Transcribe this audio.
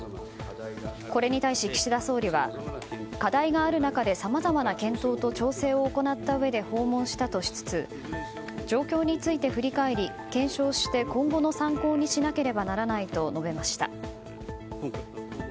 これに対し岸田総理は課題がある中でさまざまな検討と調整を行ったうえで訪問したとしつつ状況について振り返り、検証して今後の参考にしなければならないと述べました。